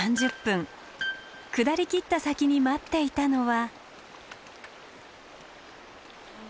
下りきった先に待っていたのは。